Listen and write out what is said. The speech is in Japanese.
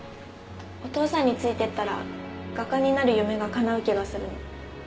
お父さんについて行ったら画家になる夢が叶う気がするの。